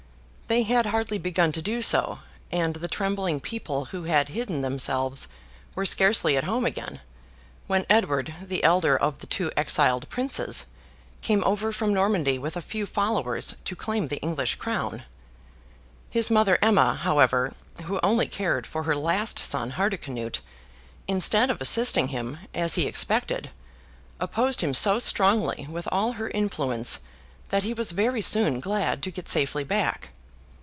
They had hardly begun to do so, and the trembling people who had hidden themselves were scarcely at home again, when Edward, the elder of the two exiled Princes, came over from Normandy with a few followers, to claim the English Crown. His mother Emma, however, who only cared for her last son Hardicanute, instead of assisting him, as he expected, opposed him so strongly with all her influence that he was very soon glad to get safely back.